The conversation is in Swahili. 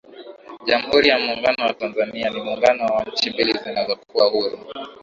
Jamhuri ya Muungano wa Tanzania ni Muungano wa nchi mbili zilizokuwa huru